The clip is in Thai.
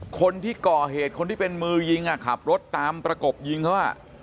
คนที่ก่อเหตุคนที่เป็นมือยิงขับรถตามประกบยิงเขา